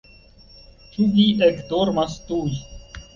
Ĉu vi ekdormas tuj?